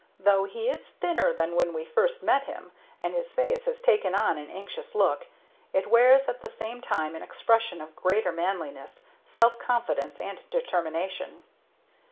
Though he is thinner than when we first met him, and his face has taken on an anxious look, it wears at the same time an expression of greater manliness, self confidence, and determination.